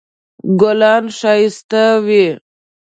ګلان ښایسته وي